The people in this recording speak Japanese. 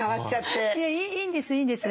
いいんですいいんです。